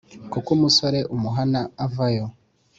koko umusore umuhana avayo